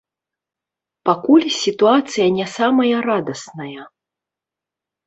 Пакуль сітуацыя не самая радасная.